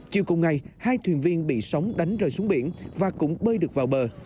chiều cùng ngày hai thuyền viên bị sóng đánh rơi xuống biển và cũng bơi được vào bờ